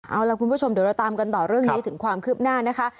เอาล่ะคุณผู้ชมเดี๋ยวเราตามกันต่อเรื่องนี้ถึงความคืบหน้านะคะ